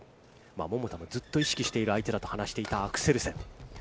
桃田はずっと意識している相手だと話していたアクセルセン。